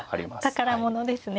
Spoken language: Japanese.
宝物ですね。